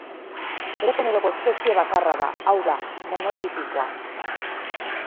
Bere generoko espezie bakarra da, hau da, monotipikoa.